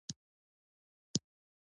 غوښې د افغانانو د تفریح یوه وسیله ده.